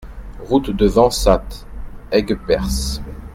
Route de Vensat, Aigueperse